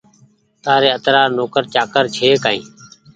تآريِ اَترآ نوڪر چآڪر ڇي ڪآئي